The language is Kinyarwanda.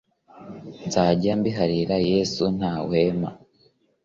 Nzajya mbiharira yesu ntawema